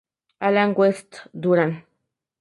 Alan West-Durán.